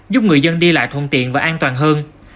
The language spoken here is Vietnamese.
giúp người dân đi lại thuận tiện và an toàn hơn